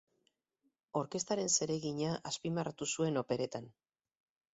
Orkestraren zeregina azpimarratu zuen operetan.